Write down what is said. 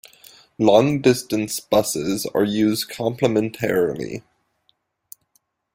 Long distance buses are used complementarily.